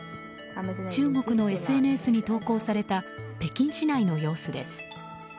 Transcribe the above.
中国のＳＮＳに投稿された北京市内の様子です。